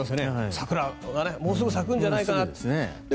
桜がもうすぐ咲くんじゃないかなと。